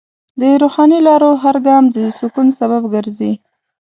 د روحاني لارو هر ګام د سکون سبب ګرځي.